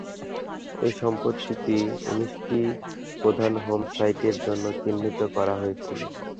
এই সম্পত্তিটি উনিশটি প্রধান হোম সাইটের জন্য চিহ্নিত করা হয়েছিল।